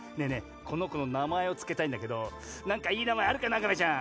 このこのなまえをつけたいんだけどなんかいいなまえあるかな亀ちゃん。